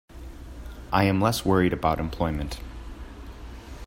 I am less worried about employment.